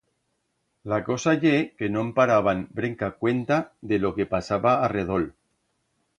La cosa ye que no'n paraban brenca cuenta de lo que pasaba arredol.